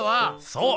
そう！